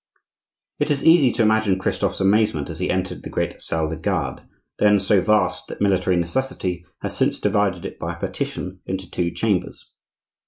It is easy to imagine Christophe's amazement as he entered the great salle des gardes, then so vast that military necessity has since divided it by a partition into two chambers.